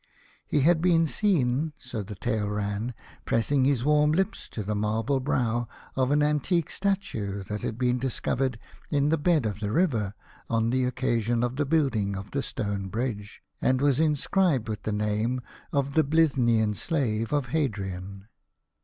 He had been seen, so the tale ran, pressing his warm lips to the marble brow of an antique statue that had been discovered in the bed of the river on the occasion of the building of the stone bridge, and was inscribed with the name of the Bithy 5 A House of Pomegranates. nian slave of Hadrian.